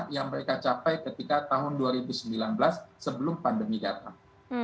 yang mereka capai ketika tahun dua ribu sembilan belas sebelum pandemi datang